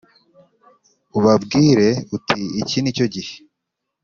Ubabwire uti iki ni cyo gihe